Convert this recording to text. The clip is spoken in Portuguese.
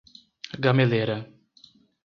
Gameleira